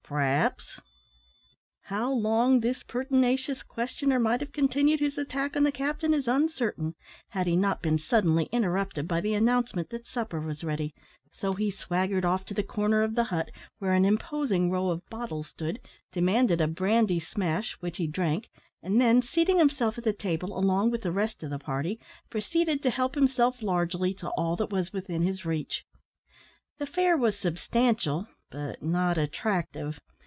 "Perhaps." How long this pertinacious questioner might have continued his attack on the captain is uncertain, had he not been suddenly interrupted by the announcement that supper was ready, so he swaggered off to the corner of the hut where an imposing row of bottles stood, demanded a "brandy smash," which he drank, and then, seating himself at the table along with the rest of the party, proceeded to help himself largely to all that was within his reach. The fare was substantial, but not attractive.